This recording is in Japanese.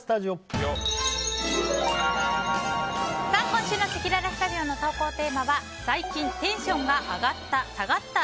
今週のせきららスタジオの投稿テーマは最近テンションが上がった＆